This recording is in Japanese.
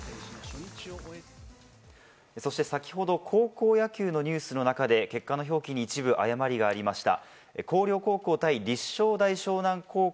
そして先ほど高校野球のニュースの中で結果の表記に一部誤りがありました。